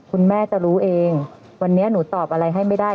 คุณแม่จะรู้เองวันนี้หนูตอบอะไรให้ไม่ได้